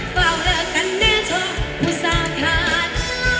เฝ้าเหลือกันเนี่ยเถอะผู้สาขาด